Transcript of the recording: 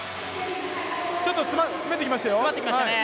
ちょっと詰めてきましたよ。